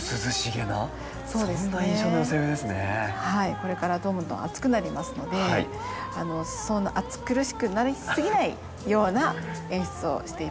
これからどんどん暑くなりますのでそんな暑苦しくなりすぎないような演出をしています。